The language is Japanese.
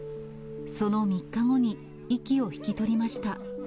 その３日後に、息を引き取りました。